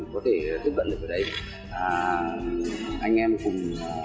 có thể tiếp cận được đấy anh em cùng